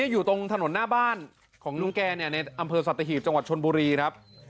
อยู่ตรงถนนหน้าบ้านของนุ้งแก่เนี่ยในอำเภาสัตว์ตะหิบจังหวัดชนบุรีนะครับ